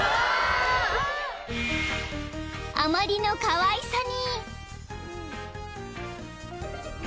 ［あまりのかわいさに］